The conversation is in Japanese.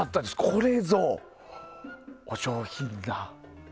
これぞ、お上品な。